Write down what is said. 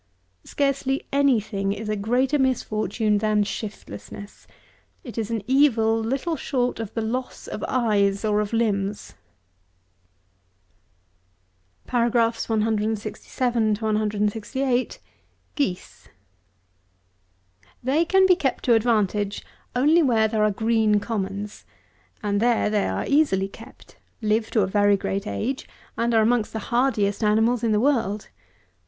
Scarcely any thing is a greater misfortune than shiftlessness. It is an evil little short of the loss of eyes or of limbs. GEESE. 167. They can be kept to advantage only where there are green commons, and there they are easily kept; live to a very great age; and are amongst the hardiest animals in the world.